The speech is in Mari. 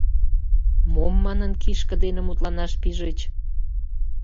— Мом манын кишке дене мутланаш пижыч?